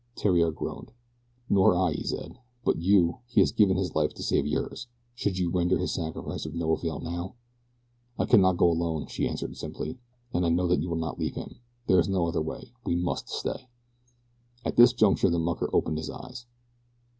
Theriere groaned. "Nor I," he said; "but you he has given his life to save yours. Should you render his sacrifice of no avail now?" "I cannot go alone," she answered simply, "and I know that you will not leave him. There is no other way we must stay." At this juncture the mucker opened his eyes.